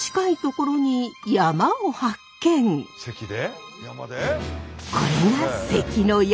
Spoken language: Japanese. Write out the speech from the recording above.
これが関の山！？